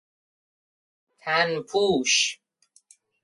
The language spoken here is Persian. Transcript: تن پوش